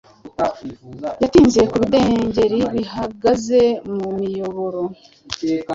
Yatinze ku bidengeri bihagaze mu miyoboro